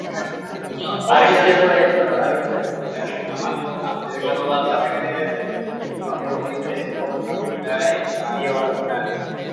Argi zegoen bekataritzat zuela eta egindako bekatu larriaren neurriko zigorra jarri nahi ziola.